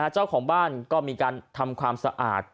เจ้าของบ้านก็มีการทำความสะอาด